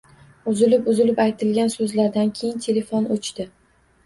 Uzulib-uzulib aytilgan so'zlardan keyin telefon o'chdi